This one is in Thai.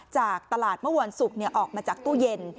จากตลาดเมื่อวันศุกร์ออกมาจากตู้เย็น